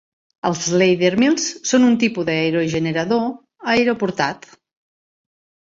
Els laddermills són un tipus d'aerogenerador aeroportat.